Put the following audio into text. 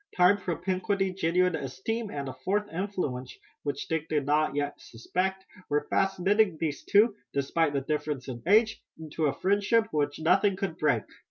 Time, propinquity, genuine esteem, and a fourth influence which Dick did not as yet suspect, were fast knitting these two, despite the difference in age, into a friendship which nothing could break.